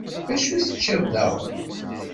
D acu teččiḍ daɣen?